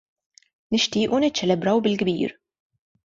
Nixtiequ niċċelebraw bil-kbir.